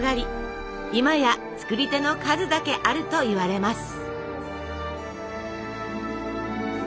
今や作り手の数だけあるといわれます。